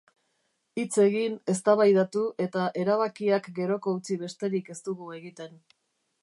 Hitz egin, eztabaidatu, eta erabakiak geroko utzi besterik ez dugu egiten.